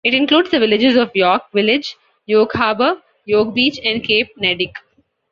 It includes the villages of York Village, York Harbor, York Beach and Cape Neddick.